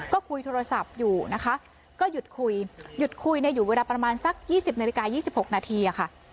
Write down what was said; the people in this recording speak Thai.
ก็คุยโทรศัพท์อยู่นะคะก็หยุดคุยหยุดคุยเนี่ยอยู่เวลาประมาณสักยี่สิบนาฬิกายี่สิบหกนาทีอะค่ะ